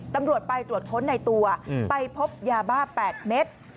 ตำรวจไปตรวจค้นในตัวไปพบยาบ้า๘เม็ด